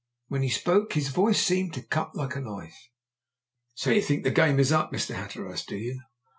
When he spoke his voice seemed to cut like a knife. "So you think my game is up, Mr. Hatteras, do you?